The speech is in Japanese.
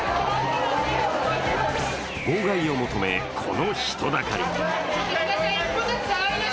号外を求め、この人だかり。